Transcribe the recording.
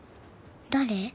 誰？